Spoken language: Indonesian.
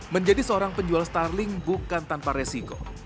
menjadi seorang penjual starling bukan tanpa resiko